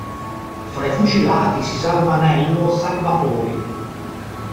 Fra i fucilati si salva Nello Salvatori.